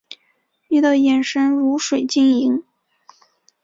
你的眼神如水晶莹